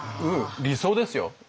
理想ですよ。